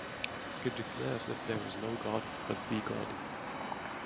It declares that "there is no god but the God".